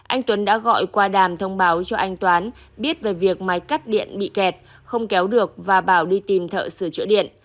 anh tuấn đã gọi qua đàm thông báo cho anh toán biết về việc máy cắt điện bị kẹt không kéo được và bảo đi tìm thợ sửa chữa điện